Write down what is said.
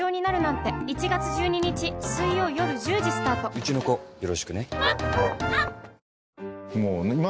うちの子よろしくね。